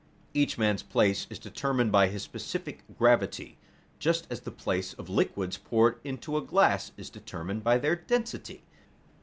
Each man's place is determined by his specific gravity, just as the place of liquids poured into a glass is determined by their density.